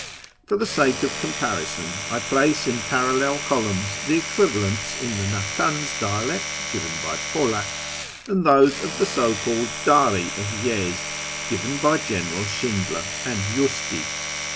For the sake of comparison, I place in parallel columns the equivalents in the Natanz dialect given by Polak, and those of the so called Dari of Yezd given by General Schindler and Justi.